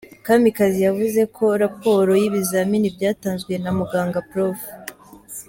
Kamikazi yavuze ko raporo y’ibizamini byatanzwe na muganga Prof.